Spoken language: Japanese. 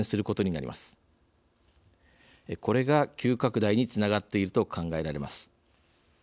これが急拡大につながっていると考えられます。